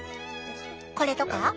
これとか？